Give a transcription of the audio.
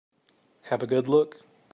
Have a good look.